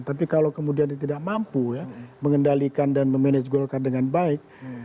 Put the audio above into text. tapi kalau kemudian dia tidak mampu ya mengendalikan dan memanage golkar dengan baik